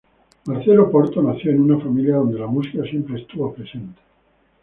Marcela Porto nació en una familia donde la música siempre estuvo presente.